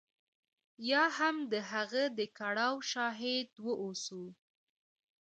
یا هم د هغه د کړاو شاهد واوسو.